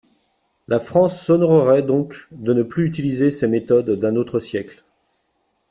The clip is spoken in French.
La France s’honorerait donc de ne plus utiliser ces méthodes d’un autre siècle.